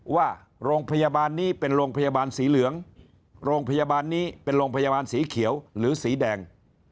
ว่าโรงพยาบาลนี้เป็นโรงพยาบาลสีเหลืองโรงพยาบาลนี้เป็นโรงพยาบาลสีเขียวหรือสีแดง